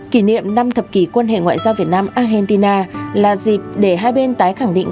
kỷ niệm năm thập kỷ quan hệ ngoại giao việt nam argentina là dịp để hai bên tái khẳng định